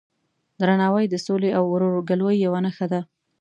درناوی د سولې او ورورګلوۍ یوه نښه ده.